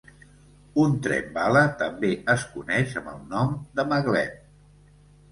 Un tren bala també es coneix amb el nom de "maglev".